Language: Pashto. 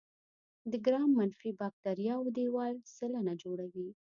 د ګرام منفي باکتریاوو دیوال سلنه جوړوي.